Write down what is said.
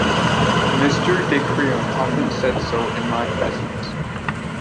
Mr. de Crillon often said so in my presence.